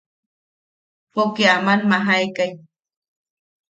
Poke aman majaekai.